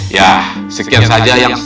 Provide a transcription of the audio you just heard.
ya sekian saja yang